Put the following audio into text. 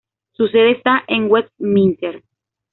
Su sede está en Westminster.